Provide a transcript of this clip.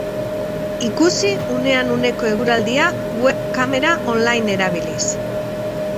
Ikusi unean uneko eguraldia web-kamera online erabiliz.